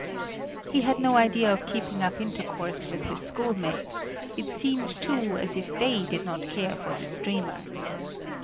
He had no idea of keeping up intercourse with his schoolmates; it seemed, too, as if they did not care for this dreamer.